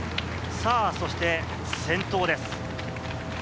そして先頭です。